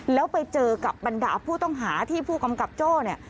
แล้วไปเจอกับบรรดาผู้ต้องหาที่ผู้กำกับโจ้เนี่ย